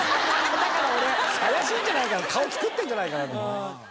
だから俺怪しいんじゃないか顔作ってるんじゃないかなと。